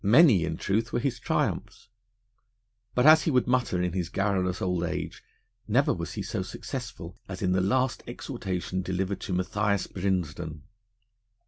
Many, in truth, were his triumphs, but, as he would mutter in his garrulous old age, never was he so successful as in the last exhortation delivered to Matthias Brinsden.